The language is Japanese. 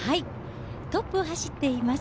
トップを走っています